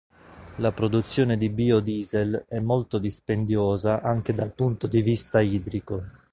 La produzione di biodiesel è molto dispendiosa anche dal punto di vista idrico.